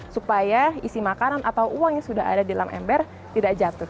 supaya isi makanan atau uang yang sudah ada di dalam ember tidak jatuh